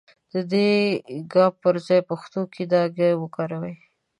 د دې ګ پر ځای پښتو کې دا گ وکاروئ.